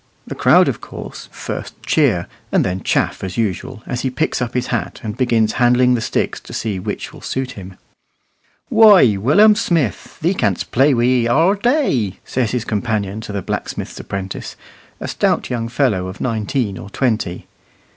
The crowd, of course, first cheer, and then chaff as usual, as he picks up his hat and begins handling the sticks to see which will suit him. "Wooy, Willum Smith, thee canst plaay wi' he arra daay," says his companion to the blacksmith's apprentice, a stout young fellow of nineteen or twenty.